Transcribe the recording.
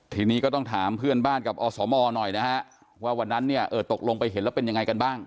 ทีนี้ก็ต้องถามเพื่อนบ้านกับอสมหน่อยนะฮะ